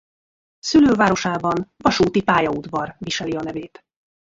Szülővárosában vasúti pályaudvar viseli a nevét.